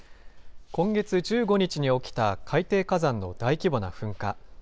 今月１５日に起きた海底火山の大規模な噴火。